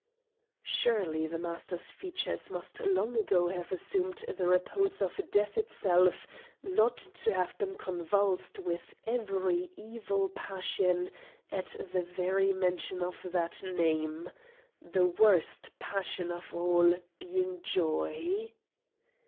Surely the Master's features must long ago have assumed the repose of death itself not to have been convulsed with every evil passion at the very mention of that name the worst passion of all being joy.